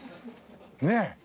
ねえ？